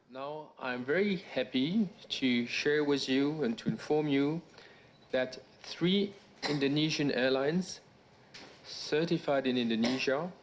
tiga pasukan pesawat indonesia yang disertifikasi di indonesia